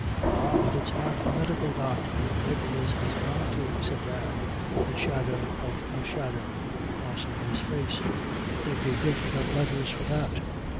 "Ah but it's not the medical doctorin' Nicholas has gone to," said Dan, the shadow of a shadow crossing his face, "there'd be diff'rint letters for that."